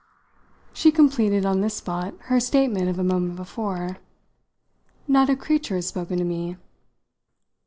She completed, on the spot, her statement of a moment before. "Not a creature has spoken to me."